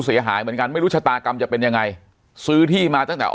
เสียหายเหมือนกันไม่รู้ชะตากรรมจะเป็นยังไงซื้อที่มาตั้งแต่